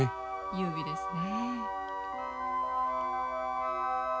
優美ですね。